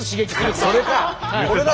それか！